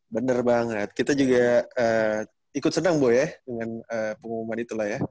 bener banget kita juga ikut senang bu ya dengan pengumuman itulah ya